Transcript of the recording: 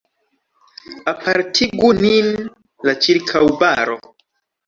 Apartigu nin la ĉirkaŭbaro.